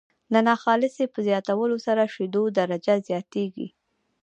د ناخالصې په زیاتولو سره جوشیدو درجه زیاتیږي.